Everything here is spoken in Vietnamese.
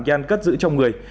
nhan cất giữ trong người